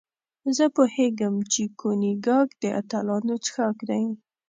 زه پوهېږم چې کونیګاک د اتلانو څښاک دی.